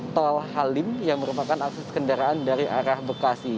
tol halim yang merupakan akses kendaraan dari arah bekasi